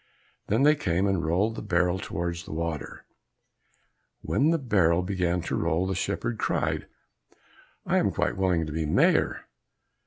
Then they came and rolled the barrel towards the water. When the barrel began to roll, the shepherd cried, "I am quite willing to be Mayor."